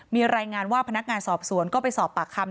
มีรายงานว่าพนักงานสอบสวนก็ไปสอบปากคำ